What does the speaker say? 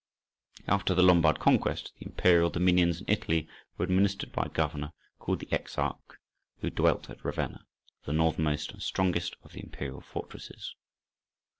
After the Lombard conquest the imperial dominions in Italy were administered by a governor, called the Exarch, who dwelt at Ravenna, the northernmost and strongest of the imperial fortresses.